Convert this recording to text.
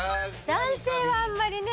男性はあんまりね。